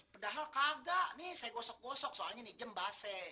padahal kagak nih saya gosok gosok soalnya nih jembasnya